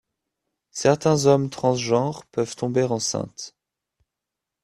Certains hommes transgenres peuvent tomber enceintes.